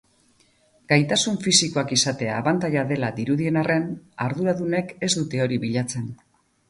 Gaitasun fisikoak izatea abantaila dela dirudien arren, arduradunek ez dute hori bilatzen.